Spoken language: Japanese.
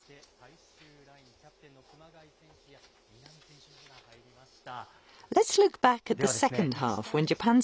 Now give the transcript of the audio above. そして、最終ライン、キャプテンの熊谷選手や南選手などが入りました。